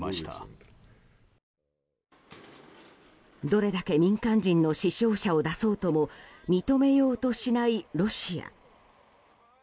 どれだけ民間人の死傷者を出そうとも認めようとしないロシア。